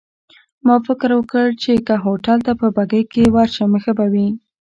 ما فکر وکړ، چي که هوټل ته په بګۍ کي ورشم ښه به وي.